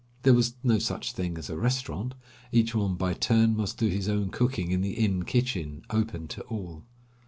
There was no such thing as a restaurant; each one by turn must do his own cooking in the inn kitchen, open to all.